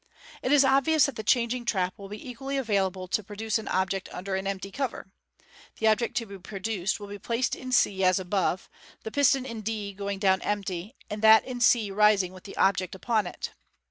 It is obvious that the changing trap will be equally available to produce an object under an empty cover. The object to be produced will be placed in c as above, the piston in d going down empty, and that in c rising with the object upon it.